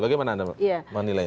bagaimana anda menilainya